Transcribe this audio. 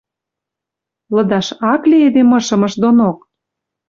Лыдаш ак ли эдем ышым ыш донок?